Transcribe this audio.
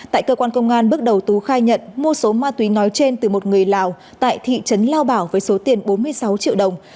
tại cơ quan công an bước đầu tú khai nhận mua số ma túy nói trên từ một người lào tại thị trấn lao bảo với số tiền bốn mươi sáu triệu đồng